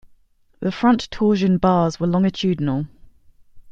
The front torsion bars were longitudinal.